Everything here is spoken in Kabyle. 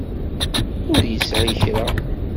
Ur yesɛi kra.